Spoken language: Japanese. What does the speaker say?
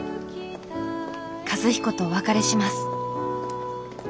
和彦とお別れします。